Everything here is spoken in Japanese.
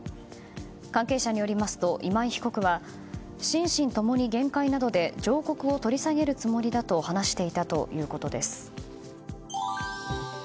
関係者によりますと、今井被告は心身ともに限界なので上告を取り下げるつもりだと話していたということです。